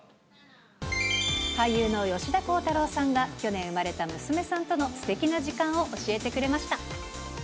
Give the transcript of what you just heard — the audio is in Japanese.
俳優の吉田鋼太郎さんが、去年産まれた娘さんとのすてきな時間を教えてくれました。